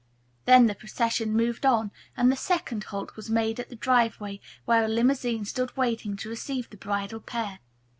Then the procession moved on and the second halt was made at the drive where a limousine stood waiting to receive the bridal pair.